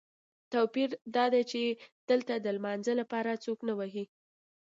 توپیر دادی چې دلته د لمانځه لپاره څوک نه وهي.